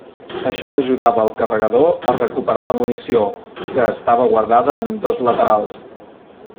Això ajudava el carregador a recuperar la munició que estava guardada en ambdós laterals.